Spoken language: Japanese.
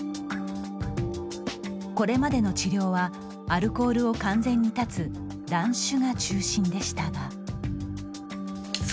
これまでの治療はアルコールを完全に断つ断酒が中心でしたが。